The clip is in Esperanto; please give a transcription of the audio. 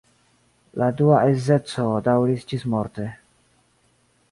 La dua edzeco daŭris ĝismorte.